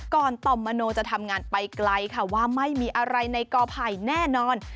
ต่อมมโนจะทำงานไปไกลค่ะว่าไม่มีอะไรในกอไผ่แน่นอน